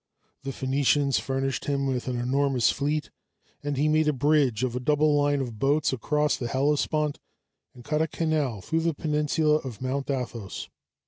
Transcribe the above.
The Phoenicians furnished him with an enormous fleet, and he made a bridge of a double line of boats across the Hellespont and cut a canal through the peninsula of Mount Athos.